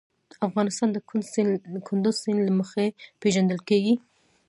افغانستان د کندز سیند له مخې پېژندل کېږي.